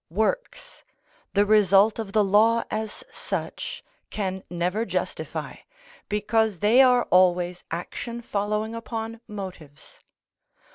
Works, the result of the law as such, can never justify, because they are always action following upon motives.